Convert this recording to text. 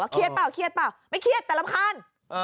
เปล่าเครียดเปล่าไม่เครียดแต่รำคาญ